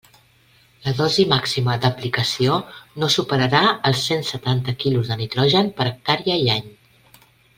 La dosi màxima d'aplicació no superarà els cent setanta quilos de nitrogen per hectàrea i any.